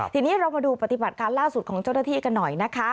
ทีนี้เรามาดูปฏิบัติการล่าสุดของเจ้าหน้าที่กันหน่อยนะคะ